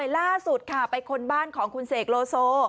ล่าสุดค่ะไปค้นบ้านของคุณเสกโลโซ